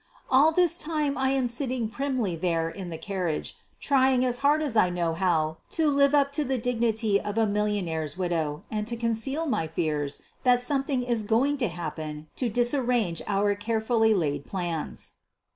All this time I am sitting primly there in the carriage trying as hard as I know how to live up to the dignity of a millionaire's widow and to conceal my fears that something is going to happen to dis arrange our carefully laid plans.